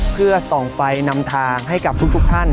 เพื่อส่องไฟนำทางให้กับทุกท่าน